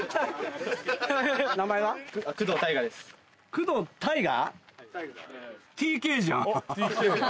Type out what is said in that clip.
工藤大河？